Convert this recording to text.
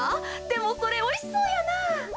でもそれおいしそうやな。